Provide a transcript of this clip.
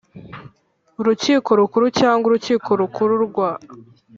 Urukiko Rukuru cyangwa Urukiko Rukuru rwa